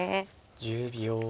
１０秒。